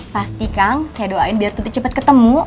pasti kang saya doain biar tuti cepat ketemu